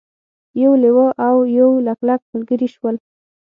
یو لیوه او یو لګلګ ملګري شول.